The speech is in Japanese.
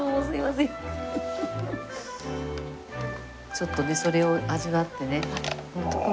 ちょっとねそれを味わってね。